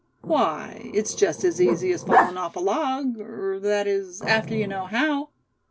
Why, it's just as easy as fallin' off a log; er, that is, after you know how."